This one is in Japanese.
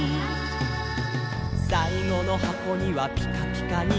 「さいごのはこにはぴかぴかに」